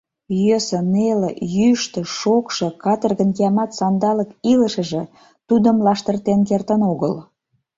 Йӧсӧ, неле, йӱштӧ, шокшо, каторгын киямат сандалык илышыже тудым лаштыртен кертын огыл.